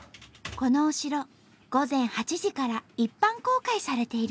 このお城午前８時から一般公開されている。